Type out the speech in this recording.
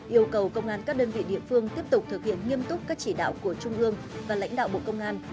yêu cầu công an các đơn vị địa phương tiếp tục thực hiện nghiêm túc các chỉ đạo của trung ương và lãnh đạo bộ công an